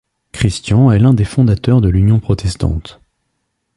Christian est l'un des fondateurs de l'Union protestante.